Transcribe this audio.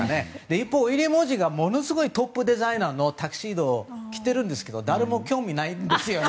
一方、ウィリアム王子が有名なデザイナーのタキシードを着ているんですけど誰も興味ないんですよね。